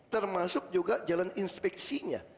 termasuk juga jalan inspeksinya